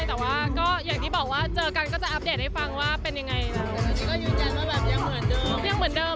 แต่ว่าอย่างที่บอกว่าเจอกันก็จะอัปเดตให้ฟังว่าเป็นยังไง